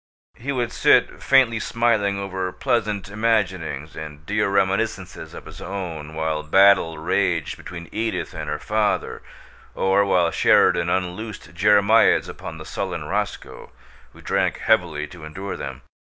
He would sit, faintly smiling over pleasant imaginings and dear reminiscences of his own, while battle raged between Edith and her father, or while Sheridan unloosed jeremiads upon the sullen Roscoe, who drank heavily to endure them.